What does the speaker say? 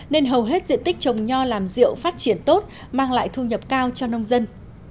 nên hầu hết diện tích trồng nho làm rượu phát triển tốt mang lại thu nhập cao cho nông dân